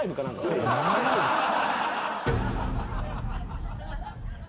しないです。